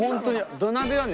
土鍋はね